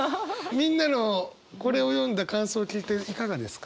みんなのこれを読んだ感想を聞いていかがですか？